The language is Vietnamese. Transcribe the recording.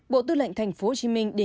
bộ tư lệnh tp hcm đề nghị người dân